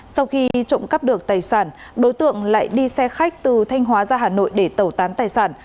sau khi trộm cắp được tài sản đối tượng lại đi xe khách từ thanh hóa ra hà nội để tẩu tán tài sản